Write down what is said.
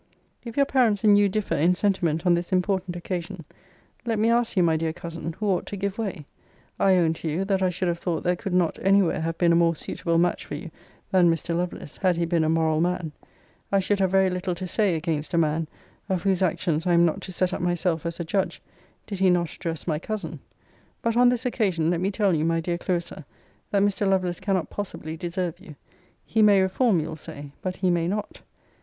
If your parents and you differ in sentiment on this important occasion, let me ask you, my dear cousin, who ought to give way? I own to you, that I should have thought there could not any where have been a more suitable match for you than Mr. Lovelace, had he been a moral man. I should have very little to say against a man, of whose actions I am not to set up myself as a judge, did he not address my cousin. But, on this occasion, let me tell you, my dear Clarissa, that Mr. Lovelace cannot possibly deserve you. He may reform, you'll say: but he may not.